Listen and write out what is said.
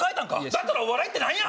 だったらお笑いってなんや！